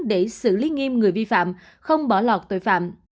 để xử lý nghiêm người vi phạm không bỏ lọt tội phạm